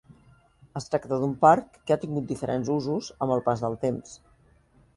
Es tracta d'un parc que ha tingut diferents usos amb el pas del temps.